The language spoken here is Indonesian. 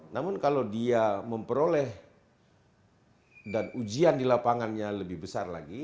namun kalau dia memperoleh dan ujian di lapangannya lebih besar lagi